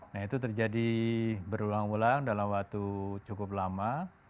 nah itu terjadi berulang ulang dalam waktu cukup lama